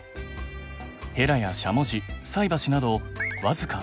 ヘラやしゃもじ菜箸など僅か９点。